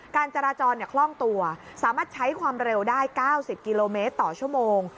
การจราจรคล่องตัวสามารถใช้ความเร็วได้๙๐กิโลเมตรต่อชั่วโมง